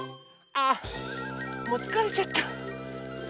あもうつかれちゃった。